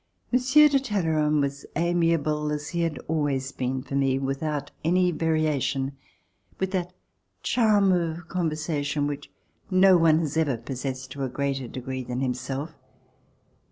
Monsieur de Talleyrand was amiable as he has always been for me, without any variation, w ith that charm of conversation which no one has ever pos sessed to a greater degree than himself.